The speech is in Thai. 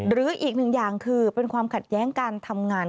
หรืออีกหนึ่งอย่างคือเป็นความขัดแย้งการทำงาน